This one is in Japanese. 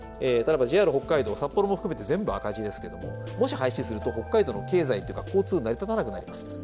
例えばＪＲ北海道札幌も含めて全部赤字ですけどももし廃止すると北海道の経済というか交通成り立たなくなります。